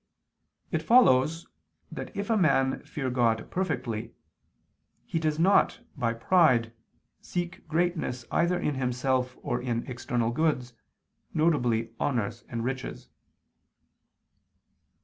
It follows that if a man fear God perfectly, he does not, by pride, seek greatness either in himself or in external goods, viz. honors and riches.